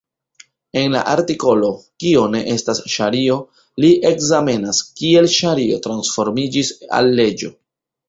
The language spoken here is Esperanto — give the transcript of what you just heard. En la artikolo "Kio ne estas ŝario" li ekzamenas kiel ŝario transformiĝis al leĝo.